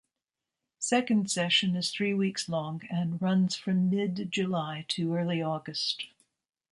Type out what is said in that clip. Second session is three weeks long and runs from mid July to early August.